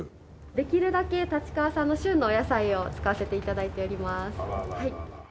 できるだけ立川産の旬のお野菜を使わせて頂いております。あららら。